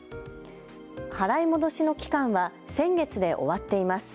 払い戻しの期間は先月で終わっています。